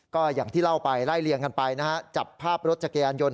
ก็อย่างที่เล่าไปไล่เลี่ยงกันไปนะฮะจับภาพรถจักรยานยนต